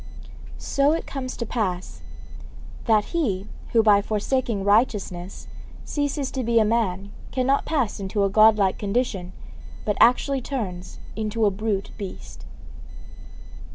So it comes to pass that he who by forsaking righteousness ceases to be a man cannot pass into a Godlike condition, but actually turns into a brute beast.'